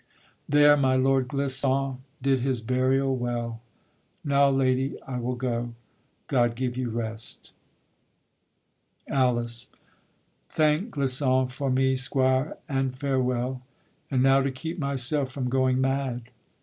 There my Lord Clisson did his burial well. Now, lady, I will go: God give you rest! ALICE. Thank Clisson from me, squire, and farewell! And now to keep myself from going mad.